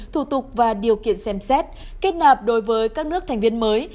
thủ tục và điều kiện xem xét kết nạp đối với các nước thành viên mới